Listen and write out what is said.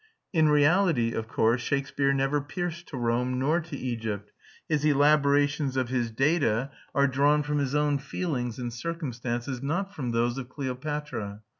In reality, of course, Shakespeare never pierced to Rome nor to Egypt; his elaborations of his data are drawn from his own feelings and circumstances, not from those of Cleopatra.